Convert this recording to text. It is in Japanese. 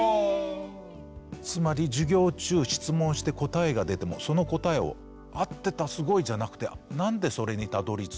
つまり授業中質問して答えが出てもその答えを「合ってたすごい」じゃなくて何でそれにたどりついたの。